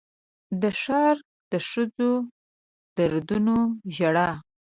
د ښار د ښځو د دردونو ژړا